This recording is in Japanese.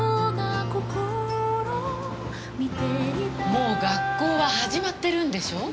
もう学校は始まってるんでしょ？